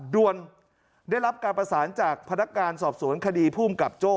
ด่วนได้รับการประสานจากพนักการสอบสวนคดีภูมิกับโจ้